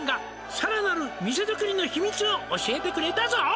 「さらなる店作りの秘密を教えてくれたぞ」